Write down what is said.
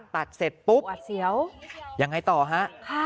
เสร็จปุ๊บยังไงต่อฮะ